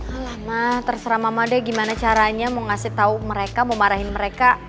ah lama terserah mama deh gimana caranya mau ngasih tau mereka mau marahin mereka